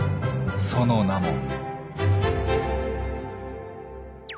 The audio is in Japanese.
その名も。